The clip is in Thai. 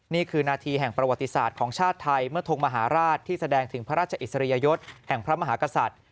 นี่คือนาทีแห่งประวัติศาสตร์ของชาติไทยเมื่อทงมหาราชที่แสดงถึงพระราชอิสริยยศแห่งพระมหากษัตริย์